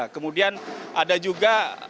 kemudian ada juga